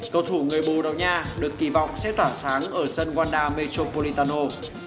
cầu thủ người borogna được kỳ vọng sẽ tỏa sáng ở dân wanda metropolitano